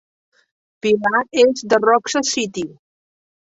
Pilar és de Roxas City.